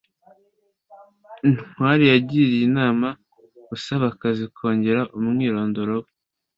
ntwali yagiriye inama usaba akazi kongera umwirondoro we